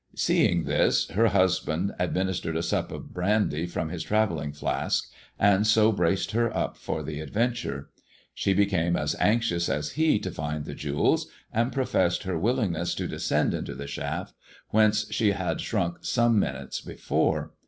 Seeing this, her husband administered a sup of brandy from his travelling flask, and so braced her up for the adventure. She became as anxious as he to find the jewels, and prpfessed her willingness to descend into the shaft, whence she had shrunk some minutes before.